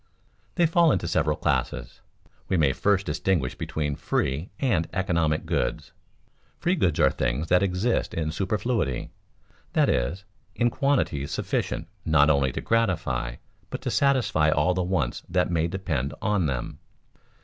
_ They fall into several classes. We may first distinguish between free and economic goods. Free goods are things that exist in superfluity, that is, in quantities sufficient not only to gratify, but to satisfy all the wants that may depend on them.